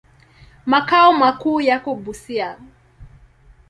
Makao makuu yako Busia.